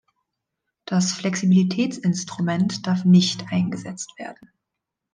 Das Flexibilitätsinstrument darf nicht eingesetzt werden.